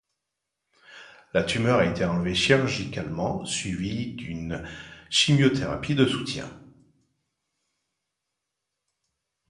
La tumeur a été enlevée chirurgicalement, suivie d'une chimiothérapie de soutien.